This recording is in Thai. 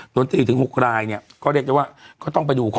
นับจากวันไหนคะ